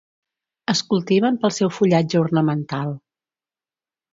Es cultiven pel seu fullatge ornamental.